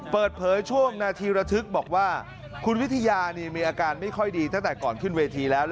เปิดเผยช่วงนาทีระทึกบอกว่าคุณวิทยามีอาการไม่ค่อยดีตั้งแต่ก่อนขึ้นเวทีแล้ว